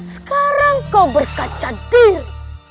sekarang kau berkaca diri